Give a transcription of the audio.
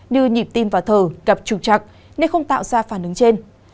như nhịp tim vào thờ gặp trục trặc nên không tạo ra phản ứng trên